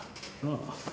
ああ。